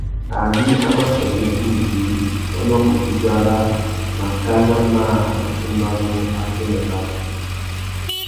Ari a mà sangüetta udjï, wa mà kutu dzara màkánà mâā má tumbamú akêrê rabú.